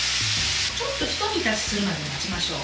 ひと煮立ちするまで待ちましょう。